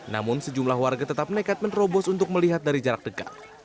namun sejumlah warga tetap nekat menerobos untuk melihat dari jarak dekat